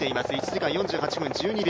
１時間４８分１２秒。